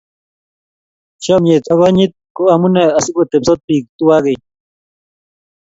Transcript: Chomyet ak konyite ko amune asiku tebsot biik tuwai keny